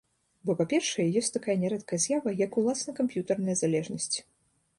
Бо, па-першае, ёсць такая нярэдкая з'ява, як уласна камп'ютарная залежнасць.